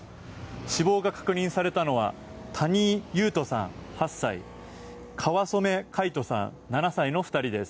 死亡が確認されたのは谷井勇斗さん、８歳川染凱人さん、７歳です。